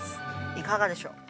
いかがでしょう？